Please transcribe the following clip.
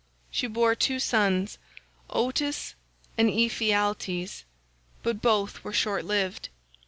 She bore two sons Otus and Ephialtes, but both were short lived.